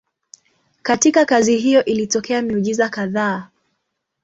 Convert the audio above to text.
Katika kazi hiyo ilitokea miujiza kadhaa.